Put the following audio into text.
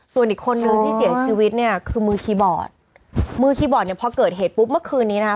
ส่วนอีกคนนึงที่เสียชีวิตเนี่ยคือมือคีย์บอร์ดมือคีย์บอร์ดเนี่ยพอเกิดเหตุปุ๊บเมื่อคืนนี้นะคะ